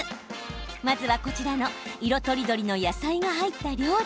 まずは、こちらの色とりどりの野菜が入った料理。